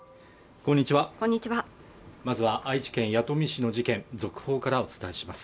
こんにちはまずは愛知県弥富市の事件続報からお伝えします